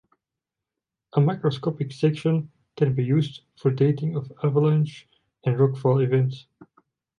A macroscopic section can be used for dating of avalanche and rockfall events.